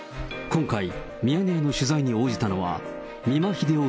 今回、ミヤネ屋の取材に応じたのは、美馬秀夫